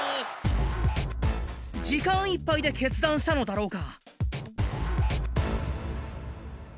時間いっぱいで決断したのだろうか？